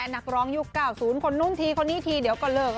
นักร้องยุค๙๐คนนู้นทีคนนี้ทีเดียวก็เลิก